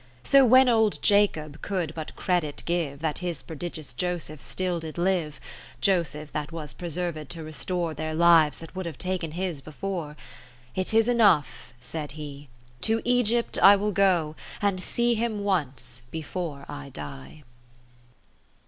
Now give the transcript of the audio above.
20 So when old Jacob could but credit give That his prodigious Joseph still did live, (Joseph that was preserved to restore I'heir lives that would have taken his before) It is enough (said he), to Egypt I ^Vill go, and see him once before I die.